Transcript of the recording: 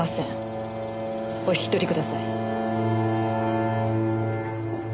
お引き取りください。